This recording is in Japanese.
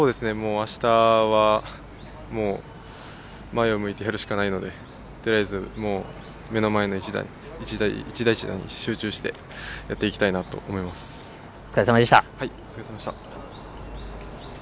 あしたは前を向いてやるしかないのでとりあえず、目の前の１打１打に集中してお疲れさまでした。